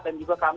dan juga kamu